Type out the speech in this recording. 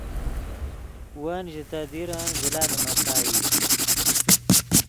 ون ژے تے دیرن زلہ لیمَسائی